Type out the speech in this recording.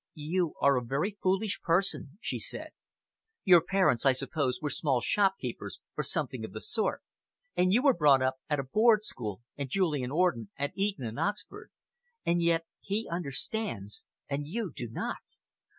"You are a very foolish person," she said. "Your parents, I suppose, were small shopkeepers, or something of the sort, and you were brought up at a board school and Julian Orden at Eton and Oxford, and yet he understands, and you do not.